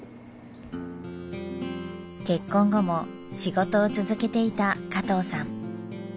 結婚後も仕事を続けていた加藤さん。